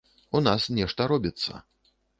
У нас нешта робіцца.